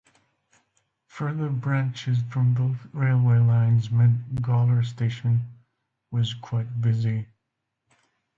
Further branches from both railway lines meant Gawler Station was quite busy.